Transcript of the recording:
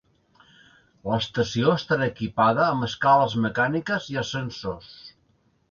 L'estació estarà equipada amb escales mecàniques i ascensors.